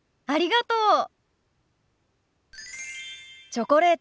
ありがとう。